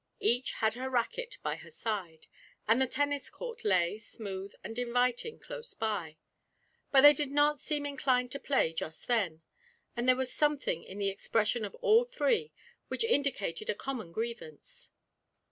Each had her racket by her side, and the tennis court lay, smooth and inviting, close by; but they did not seem inclined to play just then, and there was something in the expression of all three which indicated a common grievance.